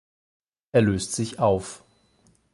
Er löst sich auf.